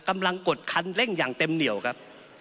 กดคันเร่งอย่างเต็มเหนียวครับ